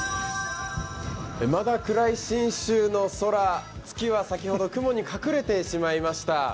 まだ暗い信州の空、月は先ほど雲に隠れてしまいました。